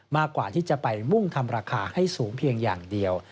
มากกว่าที่จะไปมุ่งทำราคาให้สูงเพียงอย่างเดียว